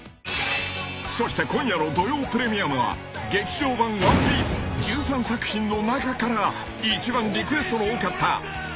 ［そして今夜の『土曜プレミアム』は劇場版『ワンピース』１３作品の中から一番リクエストの多かった］